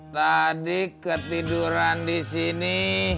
tadi ketiduran di sini